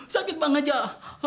sakit banget jak